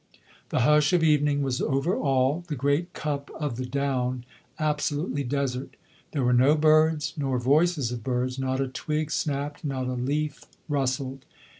The hush of evening was over all, the great cup of the down absolutely desert; there were no birds, nor voices of birds; not a twig snapped, not a leaf rustled.